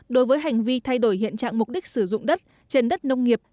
đối với hành vi thay đổi hiện trạng mục đích sử dụng đất trên đất nông nghiệp